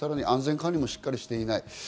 安全管理もしっかりしていない。